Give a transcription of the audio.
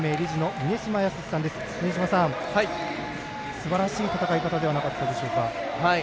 峰島さん、すばらしい戦い方ではなかったでしょうか？